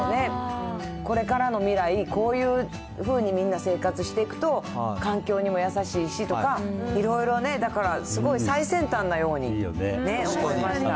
これからの未来、こういうふうにみんな生活していくと、環境にも優しいしとか、いろいろね、だからすごい最先端なように思いました。